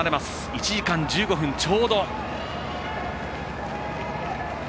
１時間１５分ちょうど。